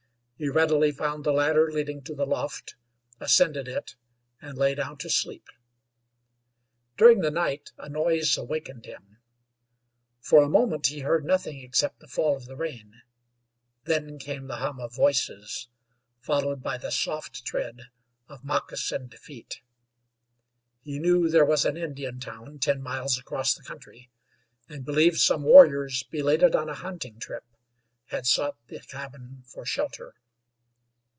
He readily found the ladder leading to the loft, ascended it, and lay down to sleep. During the night a noise awakened him. For a moment he heard nothing except the fall of the rain. Then came the hum of voices, followed by the soft tread of moccasined feet. He knew there was an Indian town ten miles across the country, and believed some warriors, belated on a hunting trip, had sought the cabin for shelter.